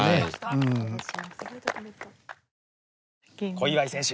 小祝選手